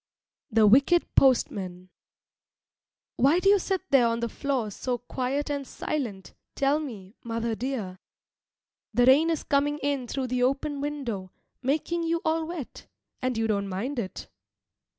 THE WICKED POSTMAN Why do you sit there on the floor so quiet and silent, tell me, mother dear? The rain is coming in through the open window, making you all wet, and you don't mind it.